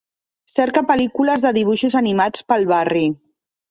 Cerca pel·lícules de dibuixos animats pel barri.